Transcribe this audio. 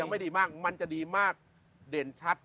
ไม่ดีมากมันจะดีมากเด่นชัด